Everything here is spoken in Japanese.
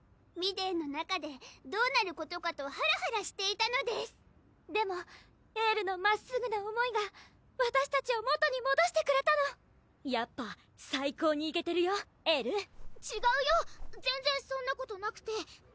ミデンの中でどうなることかとハラハラしていたのですでもエールのまっすぐな思いがわたしたちを元にもどしてくれたのやっぱ最高にイケてるよエールちがうよ全然そんなことなくて！